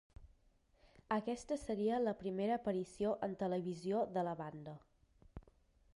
Aquesta seria la primera aparició en televisió de la banda.